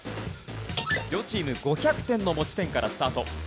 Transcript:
両チーム５００点の持ち点からスタート。